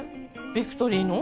ビクトリーの？